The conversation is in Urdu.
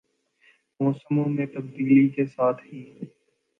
موسموں میں تبدیلی کے ساتھ ہی